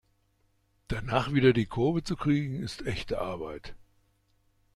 Danach wieder die Kurve zu kriegen ist echte Arbeit!